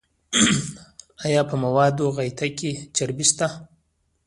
ایا په موادو غایطه کې چربی شته؟